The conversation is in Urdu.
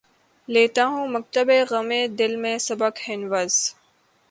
لیتا ہوں مکتبِ غمِ دل میں سبق ہنوز